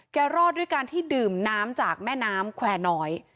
รอดด้วยการที่ดื่มน้ำจากแม่น้ำแควร์น้อย